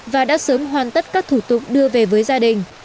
và đã sớm hoàn tất các thủ tục đưa về với gia đình